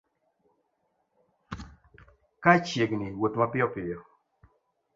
Ka chiegni wuoth mapiyo piyo